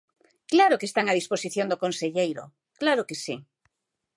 Claro que están á disposición do conselleiro, claro que si.